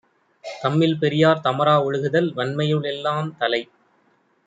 தம்மில் பெரியார் தமரா ஒழுகுதல் வன்மையுள் எல்லாந் தலை.